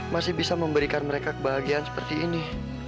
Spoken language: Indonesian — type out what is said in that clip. masih bisa memberikan mereka kebahagiaan seperti ini